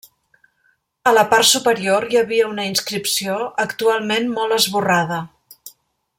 A la part superior hi havia una inscripció actualment molt esborrada.